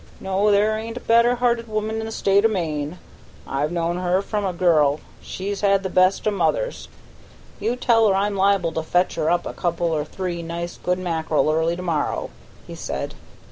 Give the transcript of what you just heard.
"No, there ain't a better hearted woman in the State o' Maine. I've known her from a girl. She's had the best o' mothers. You tell her I'm liable to fetch her up a couple or three nice good mackerel early tomorrow," he said.